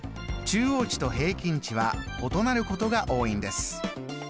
中央値と平均値は異なることが多いんです。